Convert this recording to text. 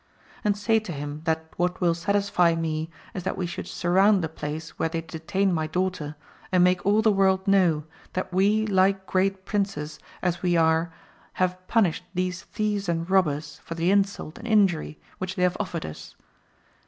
And say to him that what will satisfy me is that we should surround the place where they detain my daughter and make all the world know that we like great princes as we are have punished these thieves and robbers for the insult and injury which they have offered us.